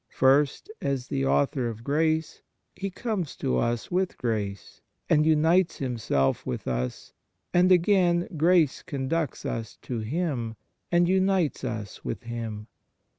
First, as the Author of grace, He comes to us with grace, and unites Himself with us, and again grace conducts us to Him and unites us with Him.